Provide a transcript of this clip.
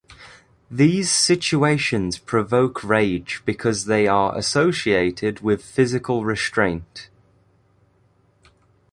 These situations provoke rage because they are associated with physical restraint.